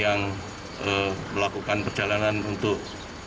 yang melakukan perjalanan untuk